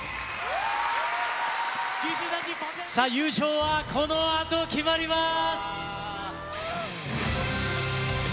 さあ、優勝はこのあと決まります。